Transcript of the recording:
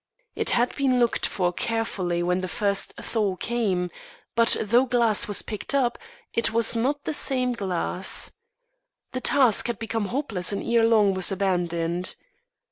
It had been looked for carefully when the first thaw came; but, though glass was picked up, it was not the same glass. The task had become hopeless and ere long was abandoned.